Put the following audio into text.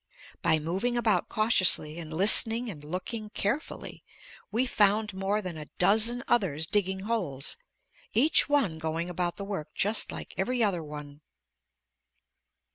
By moving about cautiously and listening and looking carefully, we found more than a dozen others digging holes, each one going about the work just like every other one.